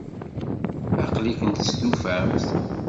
Aql-ikent testufamt?